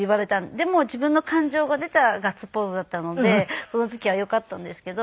でも自分の感情が出たガッツポーズだったのでその時はよかったんですけど。